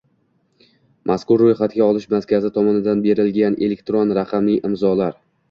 mazkur ro‘yxatga olish markazi tomonidan berilgan elektron raqamli imzolar